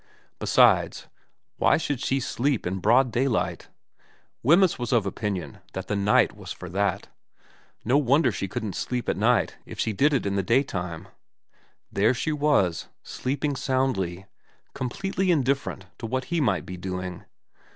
Besides, why should she sleep in broad daylight ? Wemyss was of opinion that the night was for that. No wonder she couldn't steep at night if she did it in 239 240 VERA x.xn the daytime. There she was, sleeping soundly, com pletely indifferent to what he might be doing.